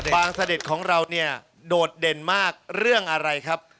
เสด็จของเราเนี่ยโดดเด่นมากเรื่องอะไรครับ